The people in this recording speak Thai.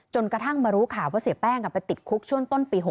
กระทั่งมารู้ข่าวว่าเสียแป้งไปติดคุกช่วงต้นปี๖๖